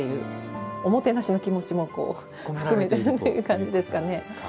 おもてなしの気持ちも含めてという感じですかね。